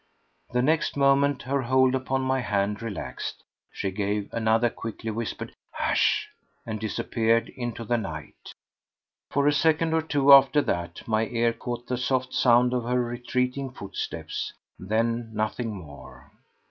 The next moment her hold upon my hand relaxed, she gave another quickly whispered "Hush!" and disappeared into the night. For a second or two after that my ear caught the soft sound of her retreating footsteps, then nothing more.